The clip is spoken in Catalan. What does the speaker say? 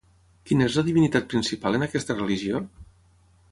Quina és la divinitat principal en aquesta religió?